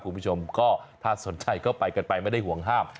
คุณผู้ชมก็ถ้าสนใจก็ไปกันไปไม่ได้ห่วงห้าม